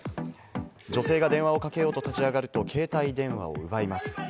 女性が電話をかけようと立ち上がると携帯電話を奪います。